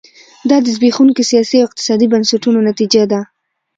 دا د زبېښونکو سیاسي او اقتصادي بنسټونو نتیجه ده.